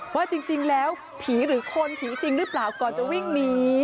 ว่าจริงแล้วผีหรือคน